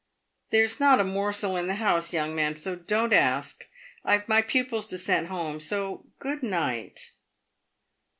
" There's not a morsel in the house, young man, so don't ask. I've my pupils to send home, so good night."